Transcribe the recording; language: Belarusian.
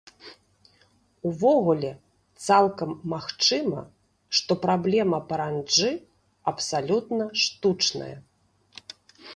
Увогуле, цалкам магчыма, што праблема паранджы абсалютна штучная.